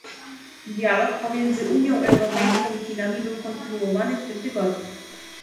Dialog pomiędzy Unią Europejską i Chinami był kontynuowany w tym tygodniu